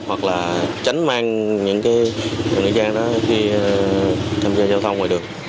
hoặc là tránh mang những nữ trang đó khi tham gia giao thông ngoài đường